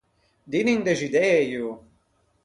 Dinni un dexidëio!